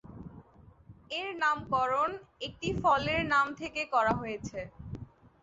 এর নামকরণ একটি ফলের নাম থেকে করা হয়েছে।